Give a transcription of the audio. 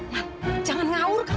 man jangan ngaur kamu